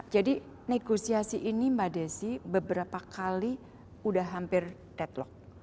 jadi negosiasi ini mbak desy beberapa kali sudah hampir deadlock